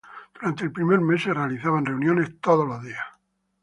Durante el primer mes se realizaban reuniones todos los días.